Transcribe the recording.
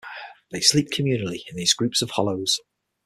They sleep communally in these groups of hollows.